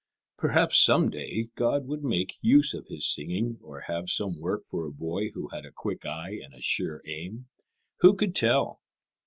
Perhaps some day God would make use of his singing or have some work for a boy who had a quick eye and a sure aim. Who could tell?